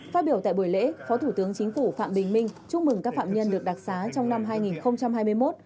phát biểu tại buổi lễ phó thủ tướng chính phủ phạm bình minh chúc mừng các phạm nhân được đặc xá trong năm hai nghìn hai mươi một